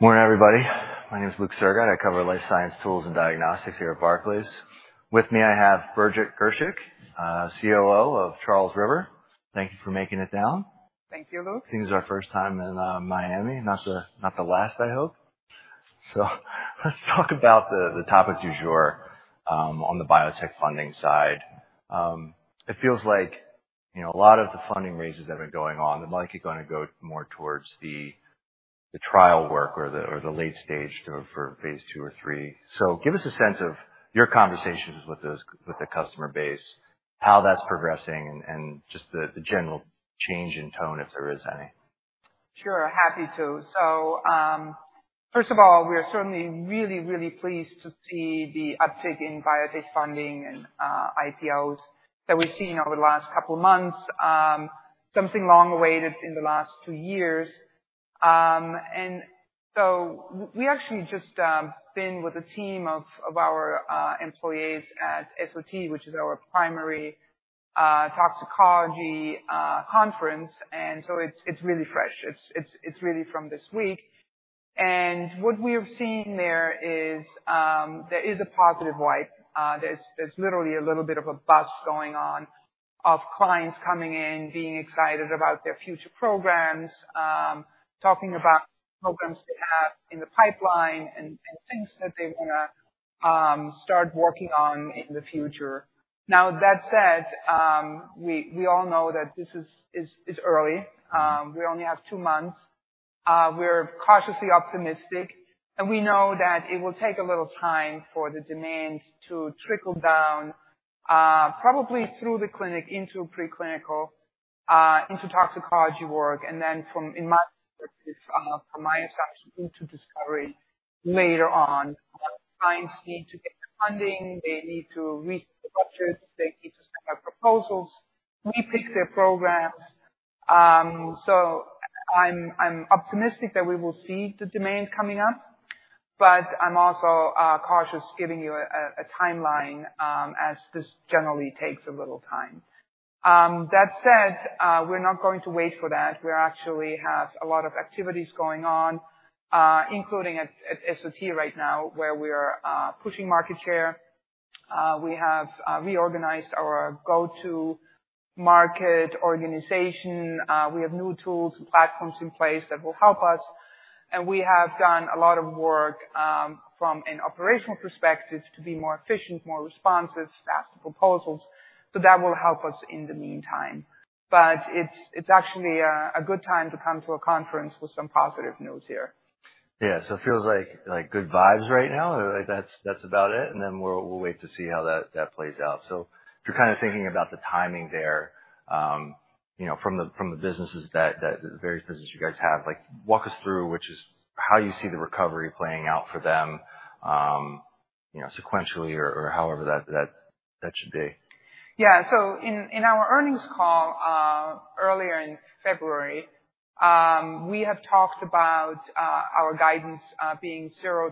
Morning, everybody. My name is Luke Sergott. I cover life science tools and diagnostics here at Barclays. With me I have Birgit Girshick, COO of Charles River. Thank you for making it down. Thank you, Luke. Seems our first time in Miami, not the last, I hope. So let's talk about the topic du jour on the biotech funding side. It feels like a lot of the funding raises that have been going on, they're likely going to go more towards the trial work or the late stage for phase two or three. So give us a sense of your conversations with the customer base, how that's progressing, and just the general change in tone if there is any. Sure, happy to. So first of all, we are certainly really, really pleased to see the uptick in biotech funding and IPOs that we've seen over the last couple of months, something long awaited in the last two years. And so we've actually just been with a team of our employees at SOT, which is our primary toxicology conference, and so it's really fresh. It's really from this week. And what we have seen there is there is a positive vibe. There's literally a little bit of a buzz going on of clients coming in, being excited about their future programs, talking about programs they have in the pipeline and things that they want to start working on in the future. Now, that said, we all know that this is early. We only have two months. We're cautiously optimistic, and we know that it will take a little time for the demand to trickle down, probably through the clinic into preclinical, into toxicology work, and then from my side into discovery later on. Clients need to get funding. They need to reset the budgets. They need to send out proposals. We pick their programs. So I'm optimistic that we will see the demand coming up, but I'm also cautious giving you a timeline as this generally takes a little time. That said, we're not going to wait for that. We actually have a lot of activities going on, including at SOT right now where we are pushing market share. We have reorganized our go-to market organization. We have new tools and platforms in place that will help us. And we have done a lot of work from an operational perspective to be more efficient, more responsive, faster proposals. So that will help us in the meantime. But it's actually a good time to come to a conference with some positive news here. Yeah. So it feels like good vibes right now. That's about it, and then we'll wait to see how that plays out. So if you're kind of thinking about the timing there from the businesses, the various businesses you guys have, walk us through how you see the recovery playing out for them sequentially or however that should be. Yeah. So in our earnings call earlier in February, we have talked about our guidance being 0%-3%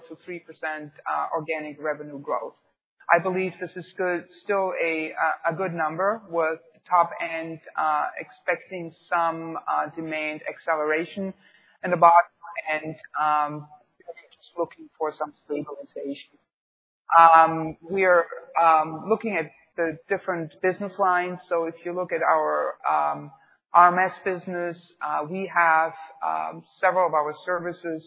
organic revenue growth. I believe this is still a good number with top end expecting some demand acceleration and the bottom end just looking for some stabilization. We are looking at the different business lines. So if you look at our RMS business, we have several of our services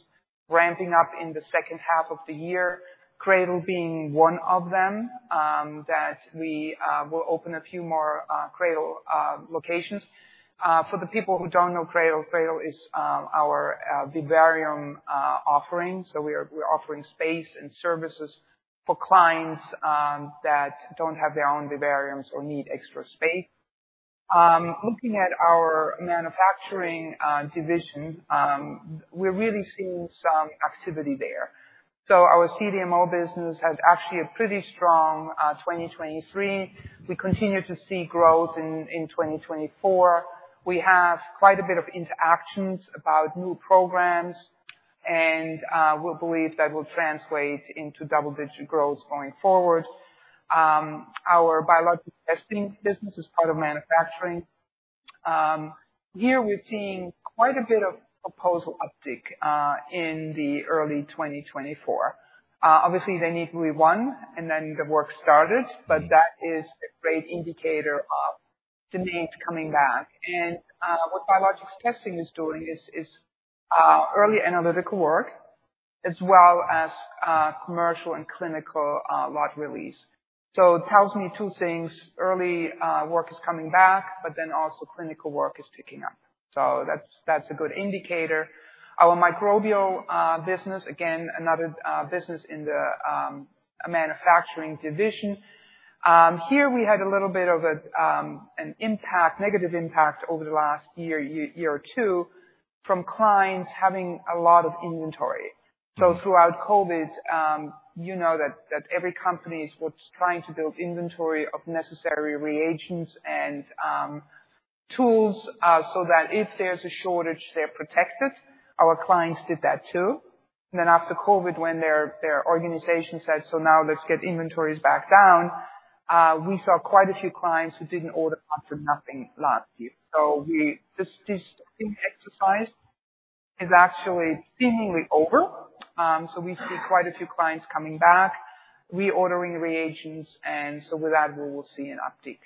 ramping up in the second half of the year, CRADL being one of them that we will open a few more CRADL locations. For the people who don't know CRADL, CRADL is our vivarium offering. So we're offering space and services for clients that don't have their own vivariums or need extra space. Looking at our manufacturing division, we're really seeing some activity there. So our CDMO business has actually a pretty strong 2023. We continue to see growth in 2024. We have quite a bit of interactions about new programs, and we believe that will translate into double-digit growth going forward. Our biologics testing business is part of manufacturing. Here, we're seeing quite a bit of proposal uptick in early 2024. Obviously, they need to be won, and then the work started, but that is a great indicator of demand coming back. What biologics testing is doing is early analytical work as well as commercial and clinical lot release. It tells me two things. Early work is coming back, but then also clinical work is picking up. That's a good indicator. Our microbial business, again, another business in the manufacturing division. Here, we had a little bit of an impact, negative impact over the last year or two from clients having a lot of inventory. So throughout COVID, you know that every company is trying to build inventory of necessary reagents and tools so that if there's a shortage, they're protected. Our clients did that too. And then after COVID, when their organization said, "So now let's get inventories back down," we saw quite a few clients who didn't order for nothing last year. So this exercise is actually seemingly over. So we see quite a few clients coming back, reordering reagents, and so with that, we will see an uptick.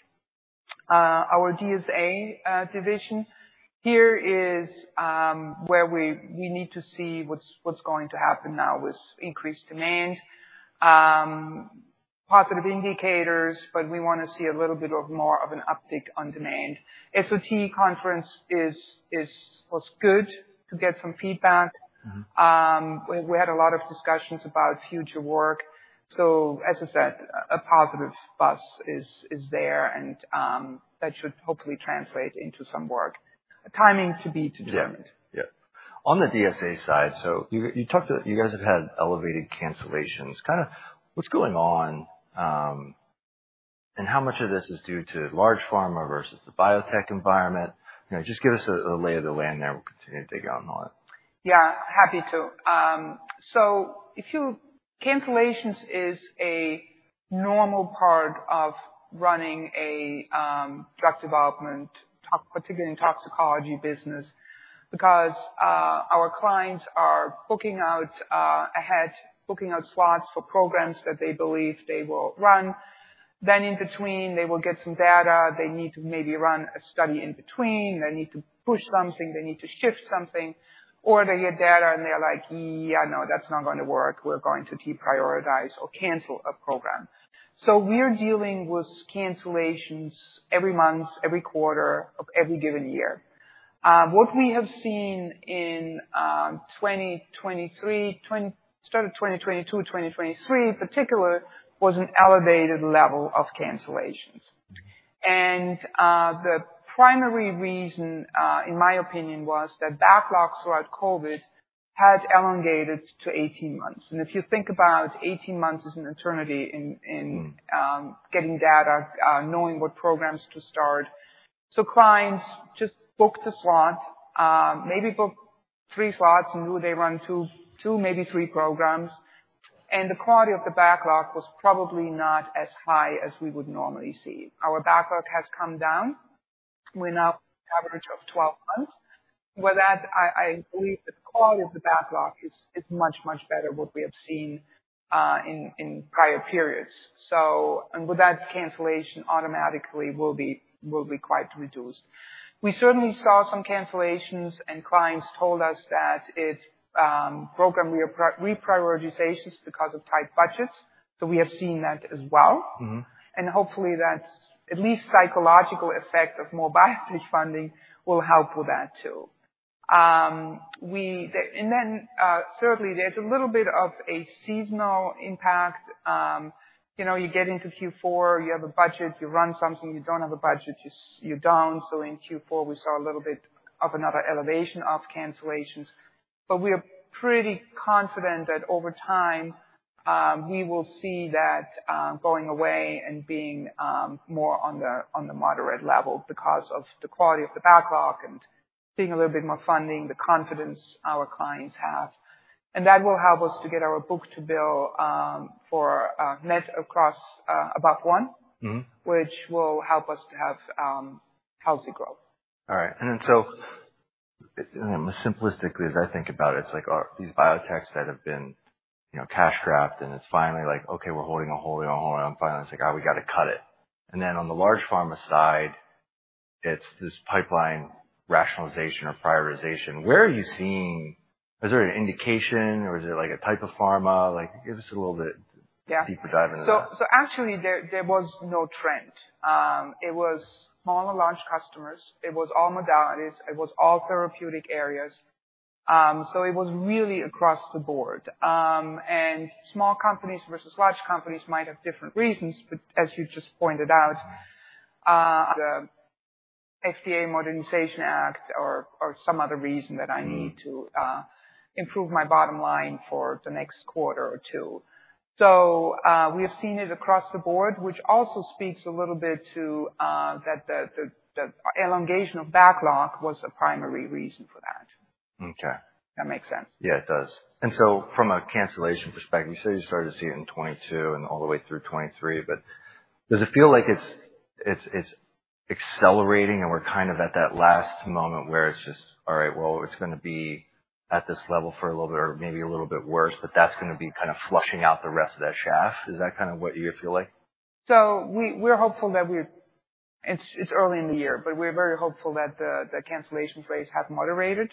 Our DSA division, here is where we need to see what's going to happen now with increased demand. Positive indicators, but we want to see a little bit more of an uptick on demand. SOT conference was good to get some feedback. We had a lot of discussions about future work. As I said, a positive buzz is there, and that should hopefully translate into some work. Timing to be determined. Yeah. Yeah. On the DSA side, so you guys have had elevated cancellations. Kind of what's going on, and how much of this is due to large pharma versus the biotech environment? Just give us a lay of the land there. We'll continue to dig on all that. Yeah, happy to. So cancellations is a normal part of running a drug development, particularly in toxicology business, because our clients are booking out ahead, booking out slots for programs that they believe they will run. Then in between, they will get some data. They need to maybe run a study in between. They need to push something. They need to shift something. Or they get data and they're like, "Yeah, no, that's not going to work. We're going to deprioritize or cancel a program." So we're dealing with cancellations every month, every quarter of every given year. What we have seen in start of 2022, 2023 in particular, was an elevated level of cancellations. The primary reason, in my opinion, was that backlogs throughout COVID had elongated to 18 months. If you think about 18 months is an eternity in getting data, knowing what programs to start. So clients just booked a slot, maybe booked 3 slots, and knew they run 2, maybe 3 programs. And the quality of the backlog was probably not as high as we would normally see. Our backlog has come down. We're now at an average of 12 months. With that, I believe that the quality of the backlog is much, much better what we have seen in prior periods. And with that, cancellation automatically will be quite reduced. We certainly saw some cancellations, and clients told us that it's program reprioritizations because of tight budgets. So we have seen that as well. And hopefully, that at least psychological effect of more biotech funding will help with that too. And then thirdly, there's a little bit of a seasonal impact. You get into Q4. You have a budget. You run something. You don't have a budget. You don't. In Q4, we saw a little bit of another elevation of cancellations. We are pretty confident that over time, we will see that going away and being more on the moderate level because of the quality of the backlog and seeing a little bit more funding, the confidence our clients have. That will help us to get our book-to-bill for net above one, which will help us to have healthy growth. All right. And then so simplistically, as I think about it, it's like these biotechs that have been cash-strapped, and it's finally like, "Okay, we're holding a holding a holding." And finally, it's like, we got to cut it." And then on the large pharma side, it's this pipeline rationalization or prioritization. Where are you seeing? Is there an indication, or is it a type of pharma? Give us a little bit deeper dive into that. Yeah. So actually, there was no trend. It was small and large customers. It was all modalities. It was all therapeutic areas. So it was really across the board. And small companies versus large companies might have different reasons, but as you just pointed out, the FDA Modernization Act or some other reason that I need to improve my bottom line for the next quarter or two. So we have seen it across the board, which also speaks a little bit to that the elongation of backlog was a primary reason for that. If that makes sense. Yeah, it does. And so from a cancellation perspective, you say you started to see it in 2022 and all the way through 2023, but does it feel like it's accelerating and we're kind of at that last moment where it's just, "All right, well, it's going to be at this level for a little bit or maybe a little bit worse, but that's going to be kind of flushing out the rest of that shaft"? Is that kind of what you feel like? So we're hopeful that it's early in the year, but we're very hopeful that the cancellation rates have moderated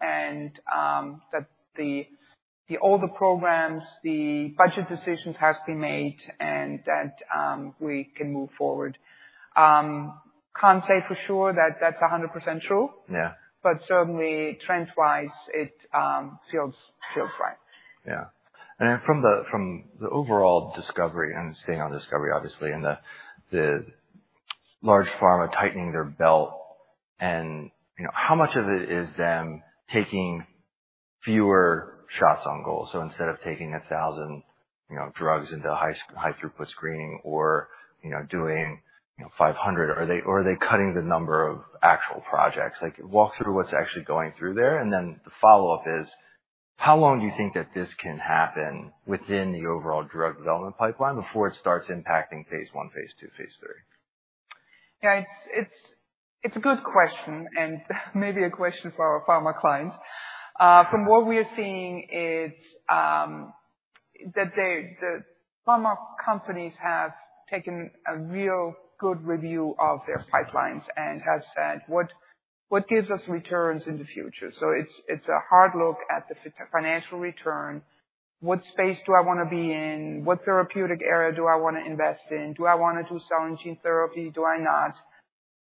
and that all the programs, the budget decisions have been made and that we can move forward. Can't say for sure that that's 100% true, but certainly, trend-wise, it feels right. Yeah. And then from the overall discovery and staying on discovery, obviously, and the large pharma tightening their belt, how much of it is them taking fewer shots on goal? So instead of taking 1,000 drugs into high-throughput screening or doing 500, are they cutting the number of actual projects? Walk through what's actually going through there, and then the follow-up is, how long do you think that this can happen within the overall drug development pipeline before it starts impacting phase one, phase two, phase three? Yeah, it's a good question and maybe a question for our pharma clients. From what we are seeing, it's that the pharma companies have taken a real good review of their pipelines and have said, "What gives us returns in the future?" So it's a hard look at the financial return. What space do I want to be in? What therapeutic area do I want to invest in? Do I want to do cell and gene therapy? Do I not?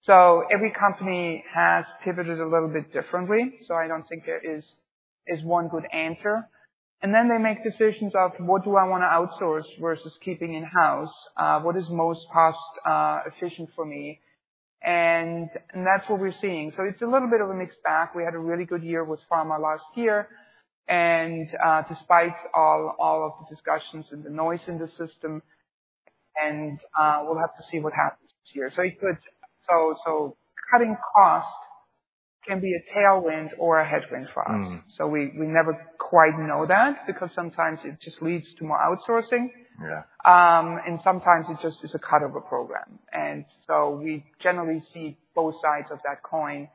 So every company has pivoted a little bit differently, so I don't think there is one good answer. And then they make decisions of, "What do I want to outsource versus keeping in-house? What is most cost-efficient for me?" And that's what we're seeing. So it's a little bit of a mixed bag. We had a really good year with pharma last year, and despite all of the discussions and the noise in the system, and we'll have to see what happens this year. Cutting cost can be a tailwind or a headwind for us. We never quite know that because sometimes it just leads to more outsourcing, and sometimes it just is a cut of a program. We generally see both sides of that coin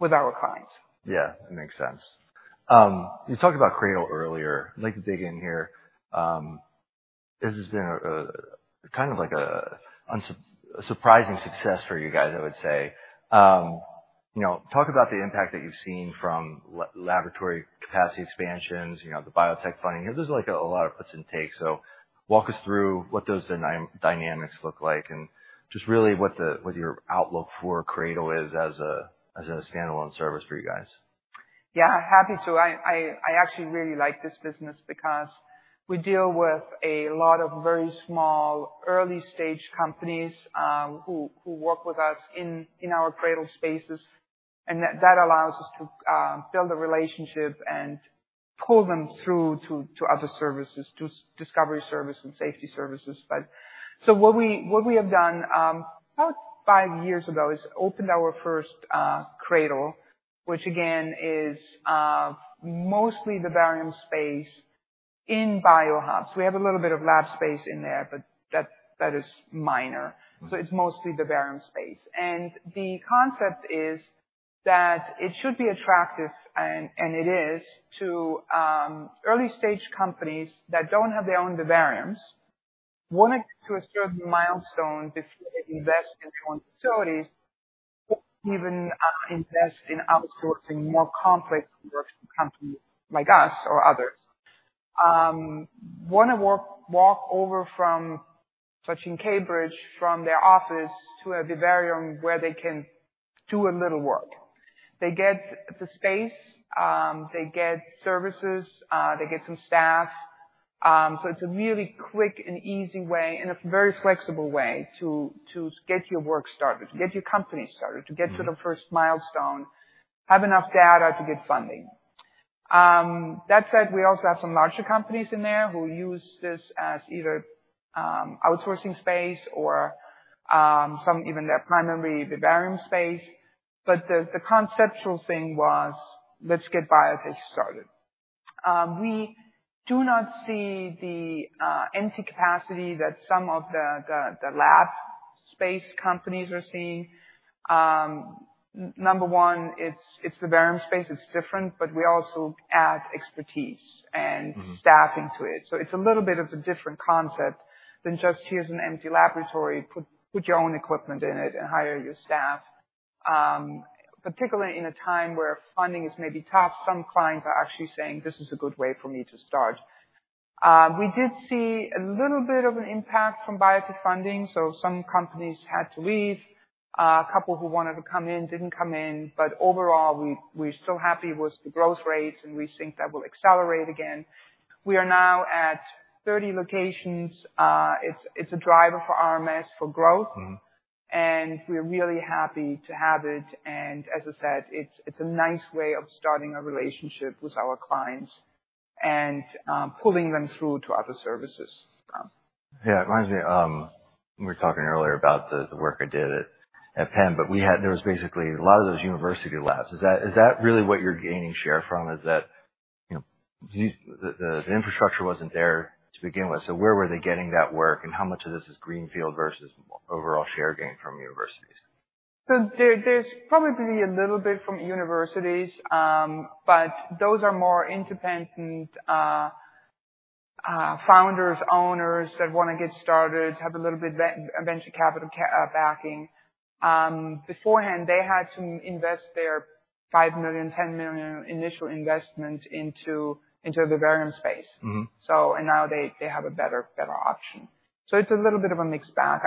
with our clients. Yeah, that makes sense. You talked about CRADL earlier. I'd like to dig in here. This has been kind of a surprising success for you guys, I would say. Talk about the impact that you've seen from laboratory capacity expansions, the biotech funding. There's a lot of puts and takes. So walk us through what those dynamics look like and just really what your outlook for CRADL is as a standalone service for you guys. Yeah, happy to. I actually really like this business because we deal with a lot of very small early-stage companies who work with us in our CRADL spaces, and that allows us to build a relationship and pull them through to other services, to discovery services and safety services. So what we have done about five years ago is opened our first CRADL, which, again, is mostly the vivarium space in biohubs. We have a little bit of lab space in there, but that is minor. So it's mostly the vivarium space. The concept is that it should be attractive, and it is, to early-stage companies that don't have their own vivariums, want to get to a certain milestone before they invest in their own facilities, even invest in outsourcing more complex work to companies like us or others, want to walk over from, such as in Cambridge, from their office to a vivarium where they can do a little work. They get the space. They get services. They get some staff. So it's a really quick and easy way and a very flexible way to get your work started, to get your company started, to get to the first milestone, have enough data to get funding. That said, we also have some larger companies in there who use this as either outsourcing space or even their primary vivarium space. But the conceptual thing was, "Let's get biotech started." We do not see the empty capacity that some of the lab space companies are seeing. Number one, it's the vivarium space. It's different, but we also add expertise and staffing to it. So it's a little bit of a different concept than just, "Here's an empty laboratory. Put your own equipment in it and hire your staff," particularly in a time where funding is maybe tough. Some clients are actually saying, "This is a good way for me to start." We did see a little bit of an impact from biotech funding. So some companies had to leave. A couple who wanted to come in didn't come in. But overall, we're still happy with the growth rates, and we think that will accelerate again. We are now at 30 locations. It's a driver for RMS for growth, and we're really happy to have it. As I said, it's a nice way of starting a relationship with our clients and pulling them through to other services. Yeah. It reminds me, we were talking earlier about the work I did at Penn, but there was basically a lot of those university labs. Is that really what you're gaining share from? Is that the infrastructure wasn't there to begin with? So where were they getting that work, and how much of this is greenfield versus overall share gain from universities? So there's probably a little bit from universities, but those are more independent founders, owners that want to get started, have a little bit of venture capital backing. Beforehand, they had to invest their $5 million, $10 million initial investment into the vivarium space, and now they have a better option. So it's a little bit of a mixed bag.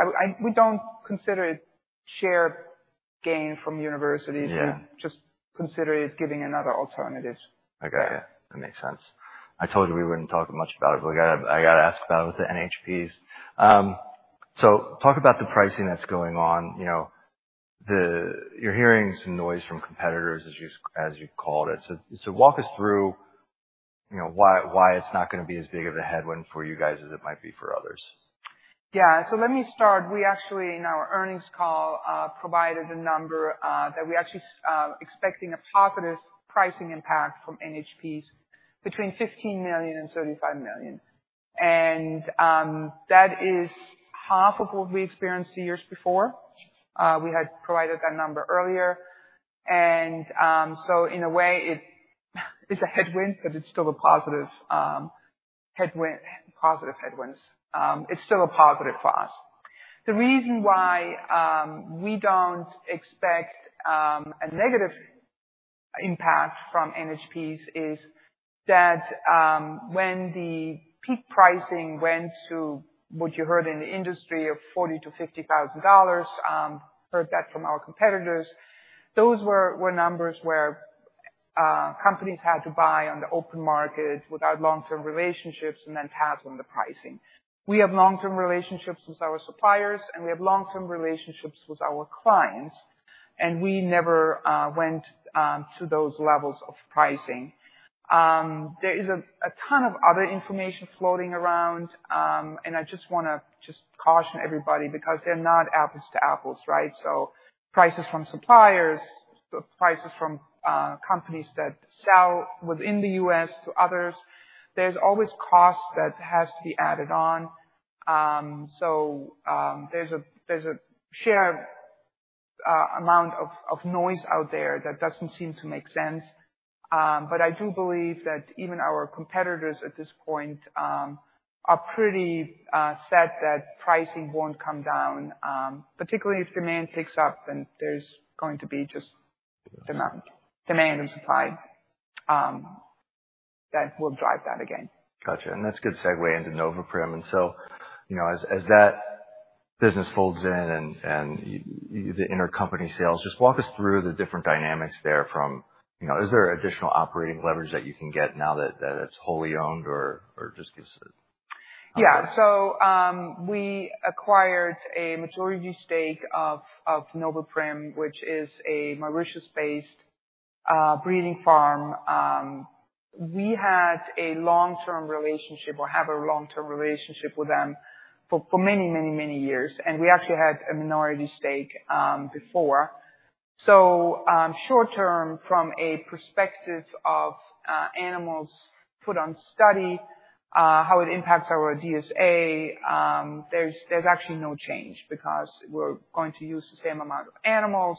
We don't consider it share gain from universities. We just consider it giving another alternative. I got you. That makes sense. I told you we wouldn't talk much about it, but I got to ask about it with the NHPs. So talk about the pricing that's going on. You're hearing some noise from competitors, as you called it. So walk us through why it's not going to be as big of a headwind for you guys as it might be for others. Yeah. So let me start. We actually, in our earnings call, provided a number that we actually expect a positive pricing impact from NHPs between $15 million-$35 million. And that is half of what we experienced the years before. We had provided that number earlier. And so in a way, it's a headwind, but it's still a positive headwind. Positive headwinds. It's still a positive for us. The reason why we don't expect a negative impact from NHPs is that when the peak pricing went to what you heard in the industry of $40,000-$50,000, heard that from our competitors, those were numbers where companies had to buy on the open market without long-term relationships and then pass on the pricing. We have long-term relationships with our suppliers, and we have long-term relationships with our clients, and we never went to those levels of pricing. There is a ton of other information floating around, and I just want to just caution everybody because they're not apples to apples, right? So prices from suppliers, prices from companies that sell within the U.S. to others, there's always cost that has to be added on. So there's a share amount of noise out there that doesn't seem to make sense. But I do believe that even our competitors at this point are pretty set that pricing won't come down, particularly if demand picks up, and there's going to be just demand and supply that will drive that again. Gotcha. That's a good segue into Noveprim. So as that business folds in and the intercompany sales, just walk us through the different dynamics therefrom. Is there additional operating leverage that you can get now that it's wholly owned or just gives? Yeah. So we acquired a majority stake of Noveprim, which is a Mauritius-based breeding farm. We had a long-term relationship or have a long-term relationship with them for many, many, many years, and we actually had a minority stake before. So short-term, from a perspective of animals put on study, how it impacts our DSA, there's actually no change because we're going to use the same amount of animals.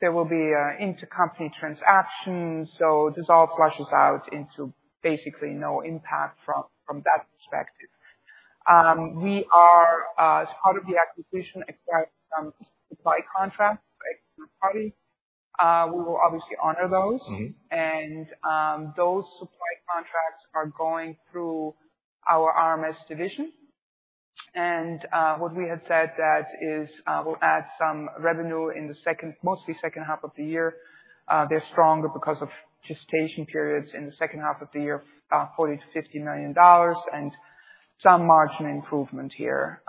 There will be intercompany transactions, so this all fleshes out into basically no impact from that perspective. As part of the acquisition, expired some supply contracts for external parties. We will obviously honor those, and those supply contracts are going through our RMS division. And what we had said that is we'll add some revenue in the second, mostly second half of the year. They're stronger because of gestation periods in the second half of the year, $40 million-$50 million, and some margin improvement here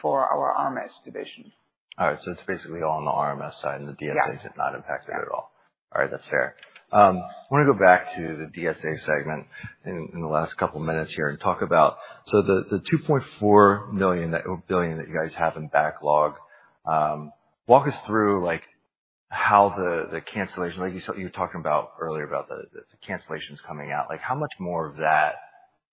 for our RMS division. All right. So it's basically all on the RMS side, and the DSA has not impacted it at all. All right. That's fair. I want to go back to the DSA segment in the last couple of minutes here and talk about so the $2.4 million or billion that you guys have in backlog, walk us through how the cancellation you were talking about earlier about the cancellations coming out, how much more of that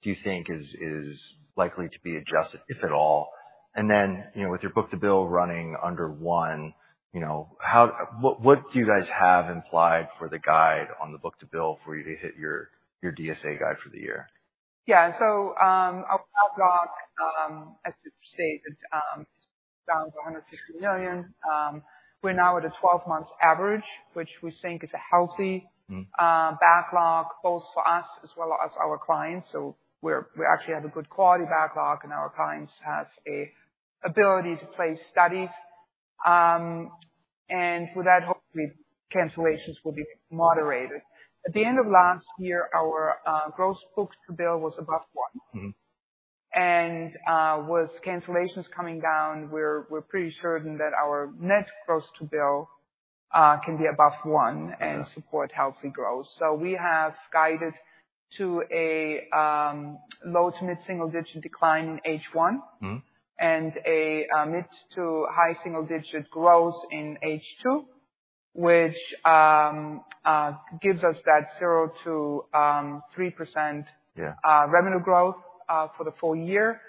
do you think is likely to be adjusted, if at all? And then with your book-to-bill running under one, what do you guys have implied for the guide on the book-to-bill for you to hit your DSA guide for the year? Yeah. So our backlog, as you stated, is down to $150 million. We're now at a 12-month average, which we think is a healthy backlog both for us as well as our clients. So we actually have a good quality backlog, and our clients have the ability to place studies. And with that, hopefully, cancellations will be moderated. At the end of last year, our gross book-to-bill was above 1. And with cancellations coming down, we're pretty certain that our net gross-to-bill can be above 1 and support healthy growth. So we have guided to a low- to mid-single-digit decline in H1 and a mid- to high-single-digit growth in H2, which gives us that 0%-3% revenue growth for the full year.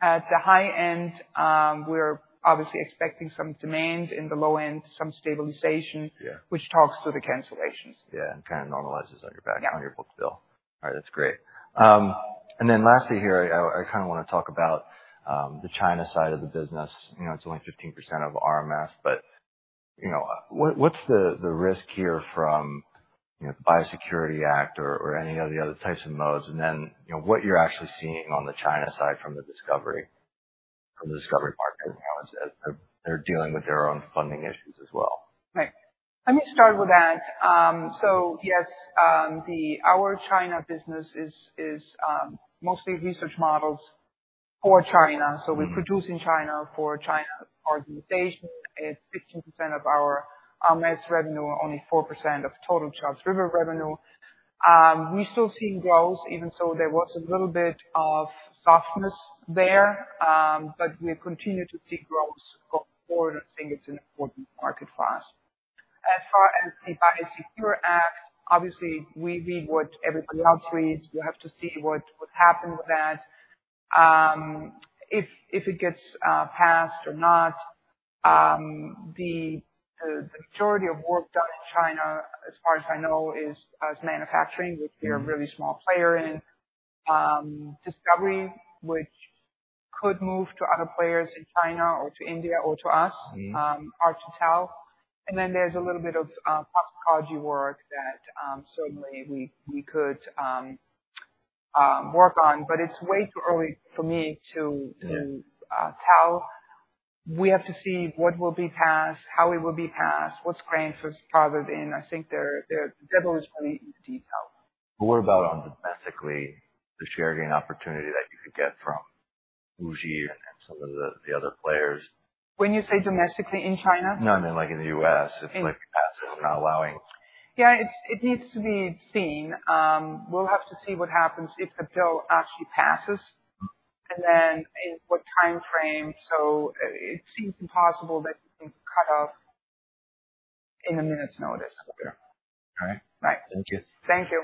At the high end, we're obviously expecting some demand. In the low end, some stabilization, which talks to the cancellations. Yeah. And kind of normalizes on your book-to-bill. All right. That's great. And then lastly here, I kind of want to talk about the China side of the business. It's only 15% of RMS, but what's the risk here from the BIOSECURE Act or any of the other types of modes? And then what you're actually seeing on the China side from the discovery market, how they're dealing with their own funding issues as well? Right. Let me start with that. So yes, our China business is mostly research models for China. So we produce in China for China organization. It's 15% of our RMS revenue, only 4% of total Charles River revenue. We're still seeing growth, even though there was a little bit of softness there, but we continue to see growth going forward and think it's an important market for us. As far as the BIOSECURE Act, obviously, we read what everybody else reads. We have to see what happens with that, if it gets passed or not. The majority of work done in China, as far as I know, is manufacturing, which we are a really small player in. Discovery, which could move to other players in China or to India or to us, hard to tell. And then there's a little bit of toxicology work that certainly we could work on, but it's way too early for me to tell. We have to see what will be passed, how it will be passed, what's grandfathered in. I think the devil is really in the detail. What about domestically, the share gain opportunity that you could get from WuXi and some of the other players? When you say domestically in China? No, I mean in the U.S. It's passing or not allowing. Yeah. It needs to be seen. We'll have to see what happens if the bill actually passes and then in what time frame. So it seems impossible that you can cut off in a minute's notice. All right. Thank you. Thank you.